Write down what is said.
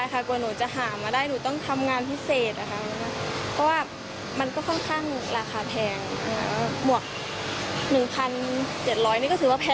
แต่ว่าวันนี้ฝนตกแล้วทีนี้มันเปียกหมดเลยนะคะ